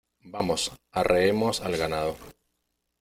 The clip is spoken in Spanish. Vamos, arreemos al ganado.